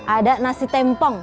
ada nasi tempong